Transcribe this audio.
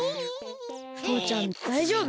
とうちゃんだいじょうぶ？